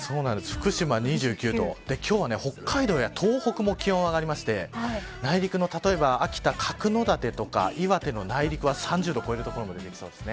福島２９度、今日は北海道や東北も気温が上がりまして内陸の秋田、角館とか岩手の内陸は３０度を超える所も出てきそうです。